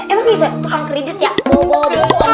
emang bisa tukang kredit ya bawa bawa deh